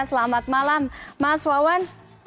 selamat malam mas wawan